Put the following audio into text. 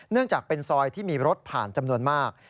จากเป็นซอยที่มีรถผ่านจำนวนมาก